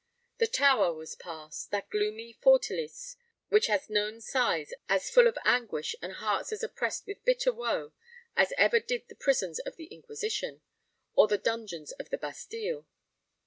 The Tower was passed—that gloomy fortalice which has known sighs as full of anguish and hearts as oppressed with bitter woe as ever did the prisons of the Inquisition, or the dungeons of the Bastille.